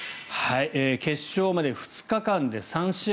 決勝まで２日間で３試合。